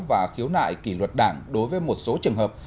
và khiếu nại kỷ luật đảng đối với một số trường hợp